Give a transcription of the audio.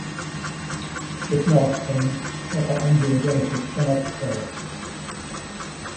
If not, then proper angiogenesis cannot occur.